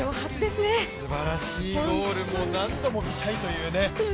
すばらしいゴール、何度も見たいというね。